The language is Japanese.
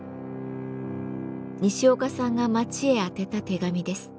西岡さんが町へ宛てた手紙です。